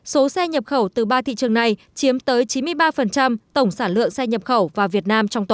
số xe nhập khẩu từ ba thị trường này chiếm tới chín mươi ba tổng sản lượng xe nhập khẩu vào việt nam trong tuần